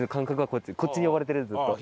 こっちに呼ばれてるずっと。